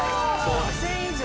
６０００円以上？